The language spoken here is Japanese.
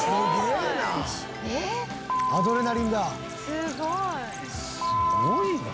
「すごいな」